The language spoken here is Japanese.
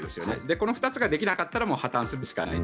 この２つができなかったら破たんするしかない。